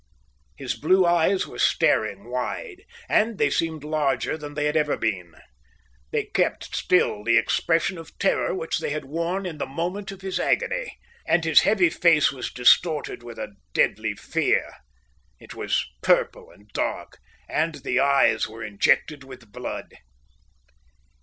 His blue eyes were staring wide, and they seemed larger than they had ever been. They kept still the expression of terror which they had worn in the moment of his agony, and his heavy face was distorted with deadly fear. It was purple and dark, and the eyes were injected with blood.